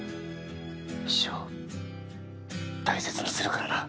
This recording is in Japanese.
一生大切にするからな！